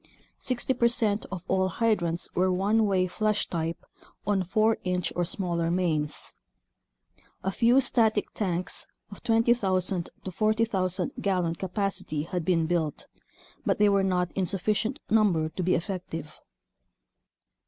Sixty percent of all hydrants were one way flush type on 4 inch or smaller mains. A few static tanks of 20,000 to 40,000 gallon capacity had been built, but they were not in sufficient number to be effective.